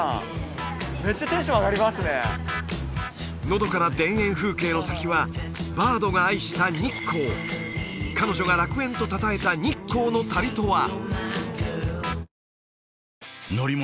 のどかな田園風景の先はバードが愛した日光彼女が楽園とたたえた日光の旅とは？